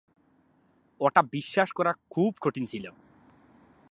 ওটা বিশ্বাস করা খুব কঠিন ছিল।